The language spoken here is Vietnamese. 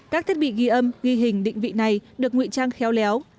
các thiết bị ghi âm ghi hình định vị này được nguy trang khéo léo